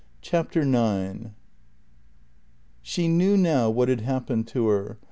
CHAPTER NINE She knew now what had happened to her.